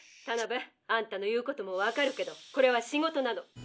タナベあんたの言うこともわかるけどこれは仕事なの」。